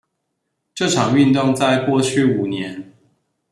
這場運動在過去五年